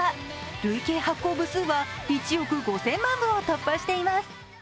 累計発行部数は１億５０００万部を突破しています。